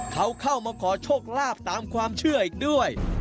เขาเข้ามาขอโชคลาภตามความเชื่ออีกด้วย